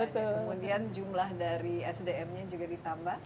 kemudian jumlah dari sdm nya juga ditambah